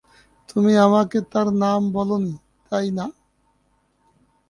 তুমি আমাকে তার নাম বলোনি, তাই না?